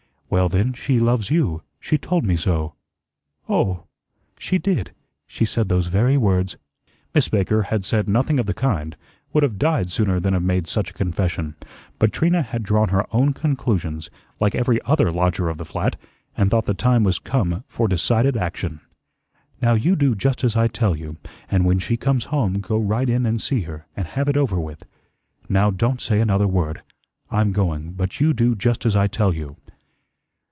"Well, then, she loves you. She told me so." "Oh!" "She did. She said those very words." Miss Baker had said nothing of the kind would have died sooner than have made such a confession; but Trina had drawn her own conclusions, like every other lodger of the flat, and thought the time was come for decided action. "Now you do just as I tell you, and when she comes home, go right in and see her, and have it over with. Now, don't say another word. I'm going; but you do just as I tell you."